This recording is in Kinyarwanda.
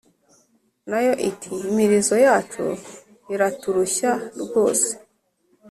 Na yo iti: “Imirizo yacu iraturushya rwose.